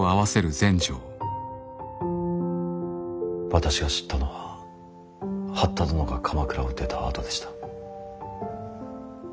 私が知ったのは八田殿が鎌倉を出たあとでした。